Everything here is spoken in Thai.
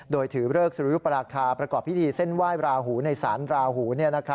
โดยถือเลิกสุริยุปราคาประกอบพิธีเส้นไหว้ราหูในสารราหู